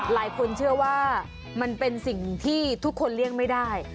หลายคนเชื่อว่ามันเป็นสิ่งที่ทุกคนเลี่ยงไม่ได้